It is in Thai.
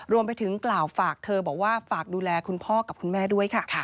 รวมไปถึงกล่าวฝากเธอบอกว่าฝากดูแลคุณพ่อกับคุณแม่ด้วยค่ะ